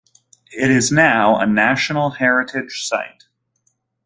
It is now a National Heritage site.